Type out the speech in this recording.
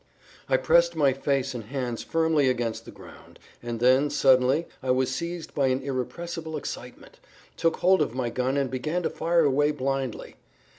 I pressed my face and hands firmly against the ground, and then suddenly I was seized by an irrepressible excitement, took hold of my gun, and began to fire away blindly.